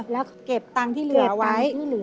แล้วก็เก็บตังค์ที่เหลือไว้